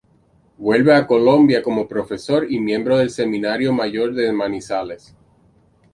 Vuelve a Colombia como profesor y miembro del seminario mayor de Manizales.